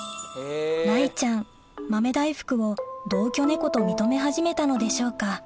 雷ちゃん豆大福を同居猫と認め始めたのでしょうか